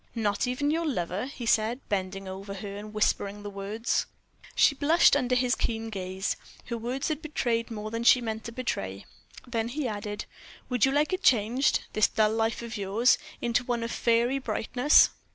"Not even your lover?" he said, bending over her and whispering the words. She blushed under his keen gaze. Her words had betrayed more than she meant to betray. Then he added: "Would you like it changed this dull life of yours into one of fairy brightness?"